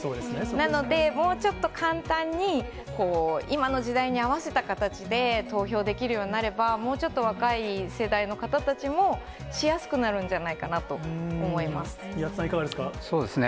なので、もうちょっと簡単に今の時代に合わせた形で投票できるようになれば、もうちょっと若い世代の方たちも、しやすくなるんじゃないか宮田さん、いかがですか？